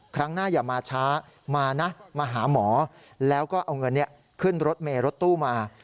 ครั้งหน้าอย่ามาช้ามานะมาหาหมอแล้วก็เอาเงินขึ้นรถเมย์รถตู้มา